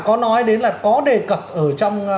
có nói đến là có đề cập ở trong